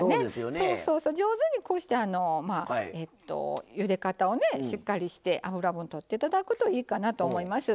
上手にこうしてゆで方をしっかりして脂分とって頂くといいかなと思います。